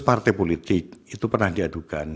partai politik itu pernah diadukan